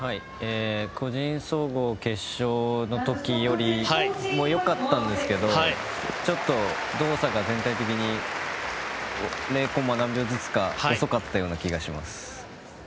個人総合決勝の時よりも良かったんですけどちょっと動作が全体的に０コンマ何秒ずつか遅かったと思います。